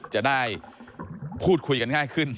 จะได้พูดคุยกันง่ายขึ้น